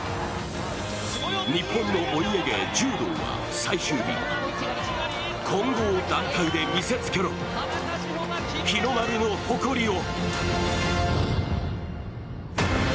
日本のお家芸・柔道は最終日混合団体で見せつけろ日の丸の誇りを。